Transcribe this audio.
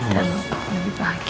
dan lebih bahagia